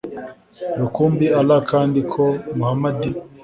rukumbi ALLAH kandi ko MUHAMMAD